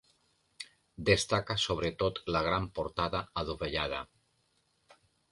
Destaca sobretot la gran portada adovellada.